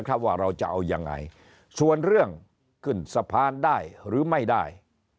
ว่าเราจะเอายังไงส่วนเรื่องขึ้นสะพานได้หรือไม่ได้